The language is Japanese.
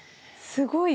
すごい。